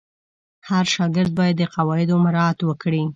هر شاګرد باید د قواعدو مراعت وکړي.